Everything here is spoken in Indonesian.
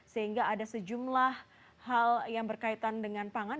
sehingga ada sejumlah hal yang berkaitan dengan pangan